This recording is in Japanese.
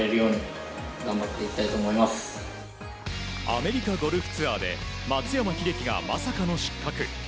アメリカゴルフツアーで松山英樹がまさかの失格。